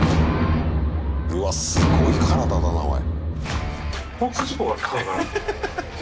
うわっすごい体だなおい。